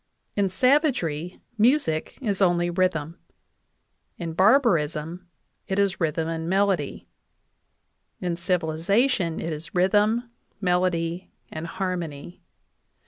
In savagery, music is only rhythm ; in barbarism, it is rhythm and melody ; in civilization, it is rhythm, melody and harmony.